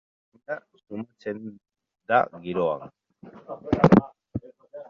Zerbait ezberdina sumatzen da giroan.